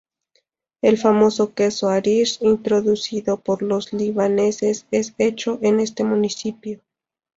El famoso queso "Arish", introducido por los libaneses es hecho en este municipio.